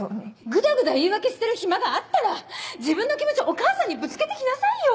グダグダ言い訳してる暇があったら自分の気持ちをお母さんにぶつけて来なさいよ！